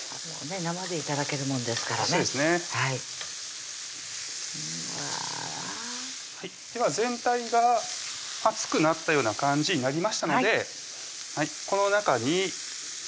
生で頂けるもんですからねそうですねうわでは全体が熱くなったような感じになりましたのでこの中に白ワイン酢ですね